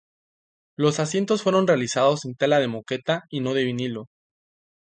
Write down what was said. Los asientos fueron realizados en tela de Moqueta y no de vinilo.